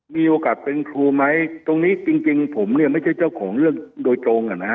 มีโอกาสเป็นครูไหมตรงนี้จริงผมเนี่ยไม่ใช่เจ้าของเรื่องโดยตรงอ่ะนะฮะ